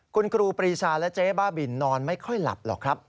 คุณครูปรีชาและเจ๊บ้าบินนอนไม่ค่อยหลับหรอกครับ